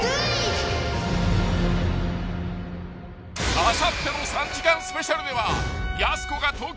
［あさっての３時間スペシャルでは］